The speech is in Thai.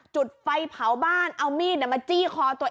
จดไฟเผาบ้านเอามีดแล้วมาจี้คอตัวเองโอ้